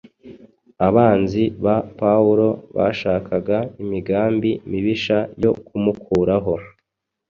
abanzi ba Pawulo bashakaga imigambi mibisha yo kumukuraho.